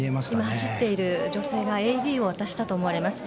走っている女性がＡＥＤを渡したと思われます。